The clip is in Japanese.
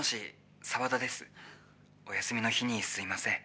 お休みの日にすいません。